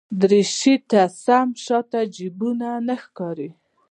دریشي ته سم شاته جېبونه ښه ښکاري.